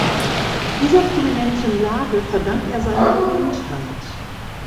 Dieser prominenten Lage verdankt er seine Berühmtheit.